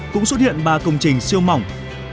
cũng xuất hiện ba công trình siêu mỏng